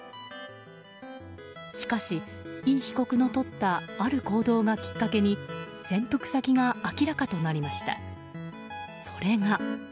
しかし、イ被告のとったある行動がきっかけで潜伏先が明らかとなりました。